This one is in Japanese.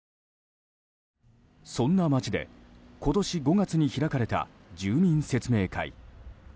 そんな町で今年５月に開かれた住民説明会。